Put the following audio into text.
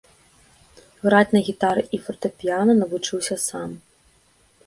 Граць на гітары і фартэпіяна навучыўся сам.